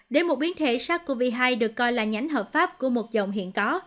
để một biến thể sars cov hai được coi là nhánh hợp pháp của một dòng hiện có